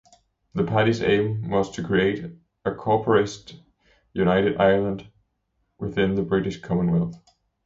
The party's aim was to create a corporatist United Ireland within the British Commonwealth.